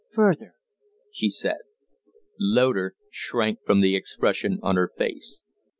"Further?" she said. Loder shrank from the expression on her face.